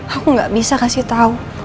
aku tidak bisa memberitahu